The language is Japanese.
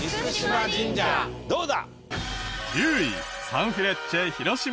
どうだ？